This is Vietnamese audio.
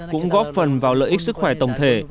cũng góp phần vào lợi ích sức khỏe tổng thể